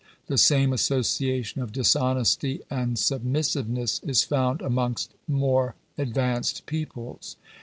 The same association of dishonesty and submissive ness is found amongst more advanced peoples.